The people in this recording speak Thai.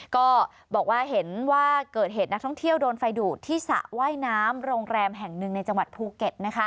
ก็บอกว่าเห็นว่าเกิดเหตุนักท่องเที่ยวโดนไฟดูดที่สระว่ายน้ำโรงแรมแห่งหนึ่งในจังหวัดภูเก็ต